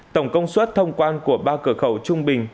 tổng công suất thông quan của ba cửa khẩu trung bình